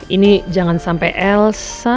ini jangan sampai elsa